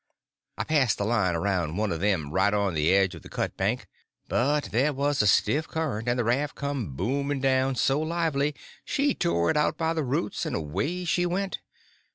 I passed the line around one of them right on the edge of the cut bank, but there was a stiff current, and the raft come booming down so lively she tore it out by the roots and away she went.